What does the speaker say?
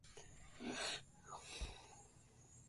Fikiria vile unaweza kuitumia